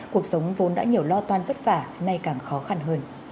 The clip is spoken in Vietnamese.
cuộc sống vốn đã nhiều lo toan vất vả nay càng khó khăn hơn